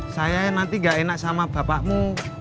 saya nanti gak enak sama bapakmu